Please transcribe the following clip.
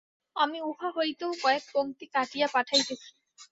আমি উহা হইতেও কয়েক পঙক্তি কাটিয়া পাঠাইতেছি।